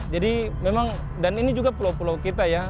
jadi memang dan ini juga pulau pulau kita ya